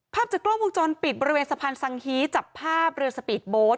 ภาพจากกล้องวงจรปิดบริเวณสะพานสังฮีจับภาพเรือสปีดโบสต